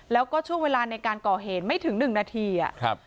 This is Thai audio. แล้วก็ช่วงเวลาในการก่อเหตุไม่ถึงหนึ่งนาทีอ่ะครับ